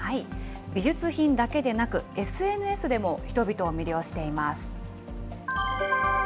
美術品だけでなく、ＳＮＳでも人々を魅了しています。